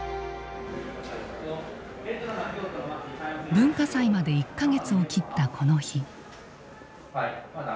文化祭まで１か月を切ったこの日。